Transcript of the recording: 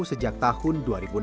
sejak tahun dua ribu enam belas